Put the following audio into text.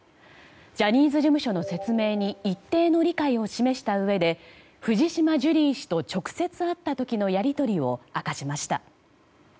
ジャニーズ事務所の説明に一定の理解を示したうえで藤島ジュリー氏と直接会った時のやり取りを明かしました。